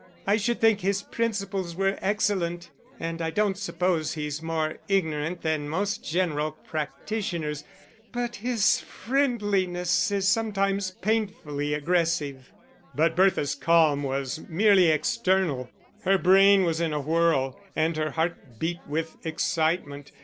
I should think his principles were excellent, and I don't suppose he's more ignorant than most general practitioners; but his friendliness is sometimes painfully aggressive." But Bertha's calm was merely external, her brain was in a whirl, and her heart beat with excitement.